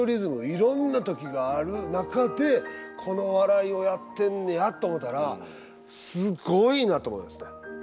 いろんな時がある中でこの笑いをやってんねやと思ったらすごいなと思いますね。